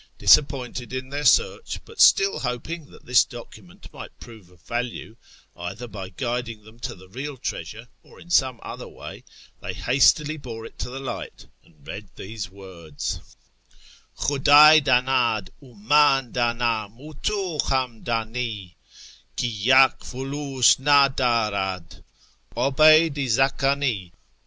])isa])pointed in their searcli, but still lio])in_t,f that this document might prove of value, either by guiding them to the real treasure, or in some other way, they hastily bore it to the liirht, and read these words —'■'■ K)iud<'nj danad, ii man danam, H tfc ham d(7ni Ki yakfulfcs na ddrad ^ Obeyd i Zdkani